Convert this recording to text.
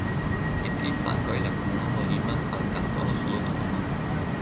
Je tri flankoj la komunumo limas al Kantono Soloturno.